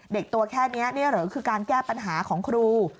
เด็กตัวแค่นี้นี่เหรอคือการแก้ปัญหาของครู